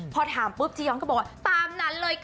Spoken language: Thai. พอถามปุ๊บจีย้อนก็บอกว่าตามนั้นเลยค่ะ